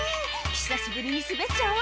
久しぶりに滑っちゃおう」